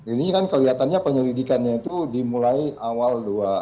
ini kan kelihatannya penyelidikannya itu dimulai awal dua ribu dua puluh tiga